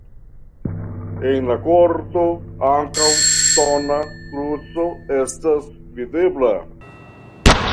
En la korto ankaŭ ŝtona kruco estas videbla.